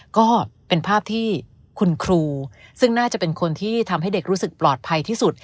ก็เป็นภาพที่คุณครูซึ่งน่าจะเป็นคนที่ทำให้เด็กรู้สึกปลอดภัยที่สุด